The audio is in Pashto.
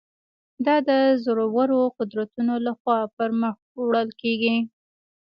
دا د زورورو قدرتونو له خوا پر مخ وړل کېږي.